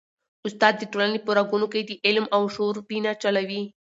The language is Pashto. استاد د ټولني په رګونو کي د علم او شعور وینه چلوي.